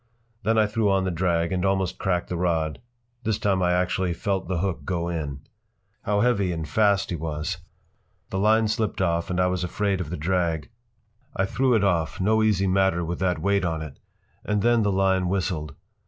Then I threw on the drag and almost cracked the rod. This time I actually felt the hook go in. How heavy and fast he was! The line slipped off and I was afraid of the drag. I threw it off—no easy matter with that weight on it—and then the line whistled.